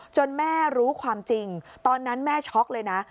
แม่รู้ความจริงตอนนั้นแม่ช็อกเลยนะ